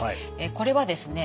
これはですね